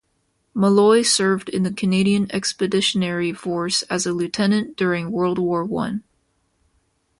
Molloy served in the Canadian Expeditionary Force as a lieutenant during World War One.